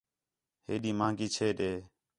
ہیݙی مہنگی چھے ݙے